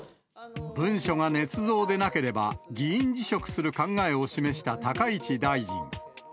文書がねつ造でなければ議員辞職する考えを示した高市大臣。